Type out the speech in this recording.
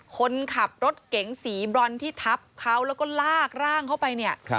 คนขับรถเก๋งสีบรอนที่ทับเขาแล้วก็ลากร่างเข้าไปเนี่ย